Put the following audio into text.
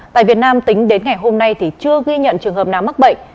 tại việt nam tính đến ngày hôm nay thì chưa ghi nhận trường hợp nào mắc bệnh